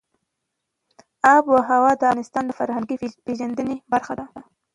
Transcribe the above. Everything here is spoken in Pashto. آب وهوا د افغانانو د فرهنګي پیژندنې برخه ده.